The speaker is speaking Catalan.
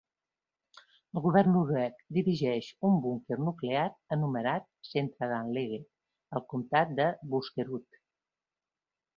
El govern noruec dirigeix un búnquer nuclear anomenat Sentralanlegget al comtat de Buskerud.